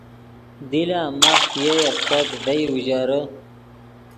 دی لا ماف پے یئے استت ڤئے اوژرے